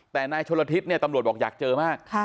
แต่นายชนละทิศเนี่ยตำรวจบอกอยากเจอมาก